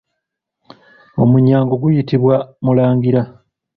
Omwennyango guyitibwa Mulangira.